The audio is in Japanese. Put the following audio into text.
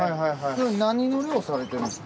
何の漁されてるんですか？